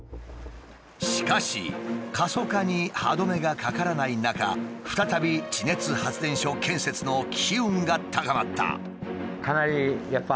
しかし過疎化に歯止めがかからない中再び地熱発電所建設の機運が高まった。